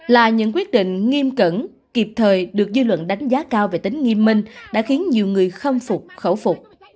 là những quyết định nghiêm cẩn kịp thời được dư luận đánh giá cao về tính nghiêm minh đã khiến nhiều người khâm phục khẩu phục